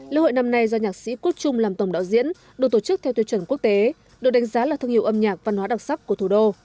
lễ hội năm nay do nhạc sĩ quốc trung làm tổng đạo diễn được tổ chức theo tiêu chuẩn quốc tế được đánh giá là thương hiệu âm nhạc văn hóa đặc sắc của thủ đô